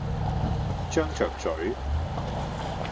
張着嘴，